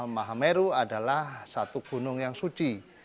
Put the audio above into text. maha meru adalah satu gunung yang suci